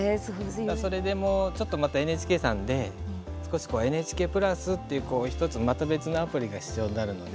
それでも、ちょっとまたＮＨＫさんで、少しＮＨＫプラスっていう１つまた別なアプリが必要になるので。